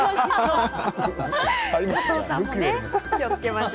はい。